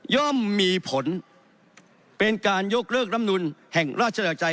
ย่อมมีผลเป็นการยกเลิกรำนูนแห่งราชศาสตร์กระจาย